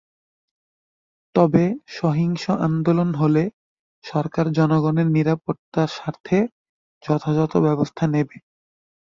তবে সহিংস আন্দোলন হলে সরকার জনগণের নিরাপত্তার স্বার্থে যথাযথ ব্যবস্থা নেবে।